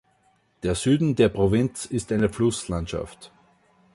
Der Süden der Provinz ist eine Flusslandschaft.